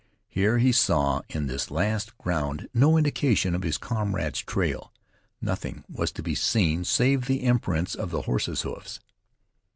Here he saw in this last ground no indication of his comrade's trail; nothing was to be seen save the imprints of the horses' hoofs.